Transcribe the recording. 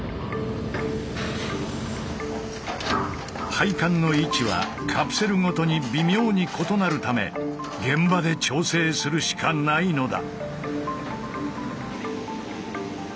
配管の位置はカプセルごとに微妙に異なるため現場で調整するしかないのだ。